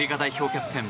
キャプテン